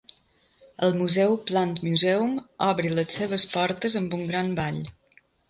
El museu Plant Museum obre les seves portes amb un gran ball.